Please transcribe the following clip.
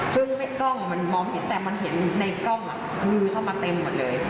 ซึ่งกล้องมันมองเห็นแต่มันเห็นในกล้องมือเข้ามาเต็มหมดเลย